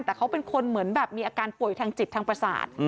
แต่เขาเป็นคนเหมือนแบบมีอาการป่วยทางจิตทางประสาท